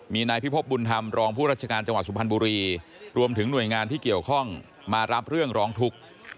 มีนายพิพบบุญธรรมรองผู้ราชการจังหวัดสุพรรณบุรีรวมถึงหน่วยงานที่เกี่ยวข้องมารับเรื่องร้องทุกข์